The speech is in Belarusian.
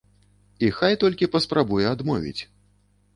І хай толькі паспрабуе адмовіць.